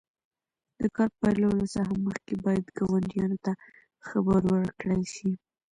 د کار پیلولو څخه مخکې باید ګاونډیانو ته خبر ورکړل شي.